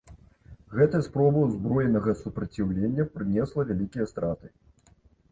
Гэтая спроба ўзброенага супраціўлення прынесла вялікія страты.